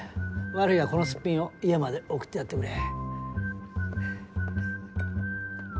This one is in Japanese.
悪いがこのすっぴんを家まで送ってやってくれ。